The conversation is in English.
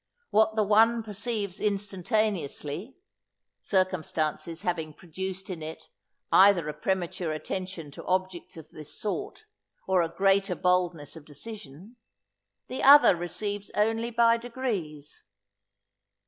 What the one perceives instantaneously (circumstances having produced in it, either a premature attention to objects of this sort, or a greater boldness of decision) the other receives only by degrees.